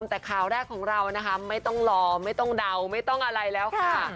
แต่ข่าวแรกของเรานะคะไม่ต้องรอไม่ต้องเดาไม่ต้องอะไรแล้วค่ะ